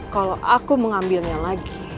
kalau aku mengambilnya lagi